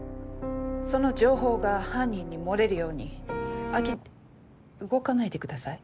その情報が犯人に漏れるように秋菜動かないでください。